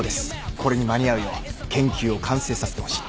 これに間に合うよう研究を完成させてほしい。